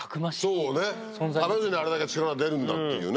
そうね食べずにあれだけ力が出るんだっていうね。